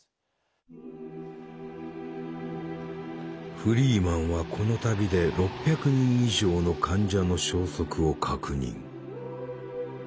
フリーマンはこの旅で６００人以上の患者の消息を確認。